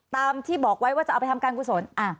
ตามที่บอกไว้ว่าจะเอาไปทำการกุศล